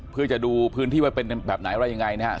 เพื่อจะดูพื้นที่ว่าเป็นแบบไหนอะไรยังไงนะครับ